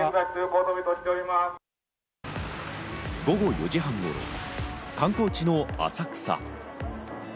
午後４時半頃、観光地の浅草。